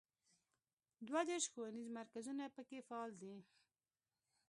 دوه دیرش ښوونیز مرکزونه په کې فعال دي.